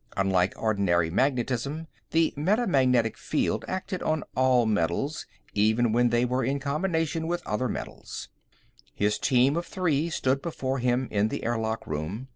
Unlike ordinary magnetism, the metamagnetic field acted on all metals, even when they were in combination with other elements. His team of three stood before him in the airlock room.